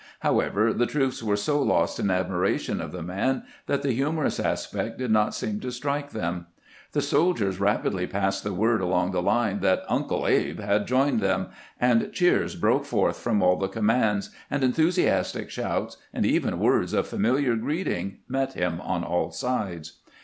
However, the troops were so lost in admi ration of the man that the humorous aspect did not seem to strike them. The soldiers rapidly passed the word along the line that " Uncle Abe " had joined them, and cheers broke forth from all the commands, and en thusiastic shouts and even words of famihar greeting met him on all sides.